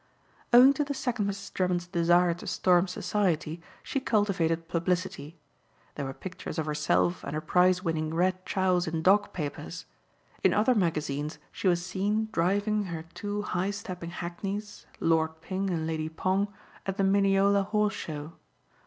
Owing to the second Mrs. Drummond's desire to storm society she cultivated publicity. There were pictures of herself and her prize winning Red Chows in dog papers. In other magazines she was seen driving her two high stepping hackneys, Lord Ping and Lady Pong, at the Mineola Horse Show.